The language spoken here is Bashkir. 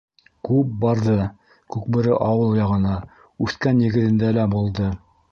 Күп барҙы Күкбүре ауыл яғына, үҫкән нигеҙендә лә булды.